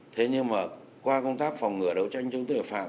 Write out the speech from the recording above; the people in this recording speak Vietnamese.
thế nhưng mà qua công tác phòng ngừa đấu tranh chống tự phạm